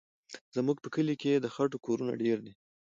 زموږ په کلي کې د خټو کورونه ډېر دي.